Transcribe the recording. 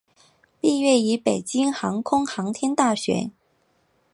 毕业于北京航空航天大学。